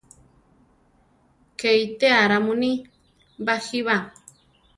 ¡Ké itéa ra muní ! baʼjí ba!